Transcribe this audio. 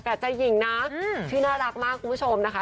แต่ใจหญิงนะชื่อน่ารักมากคุณผู้ชมนะคะ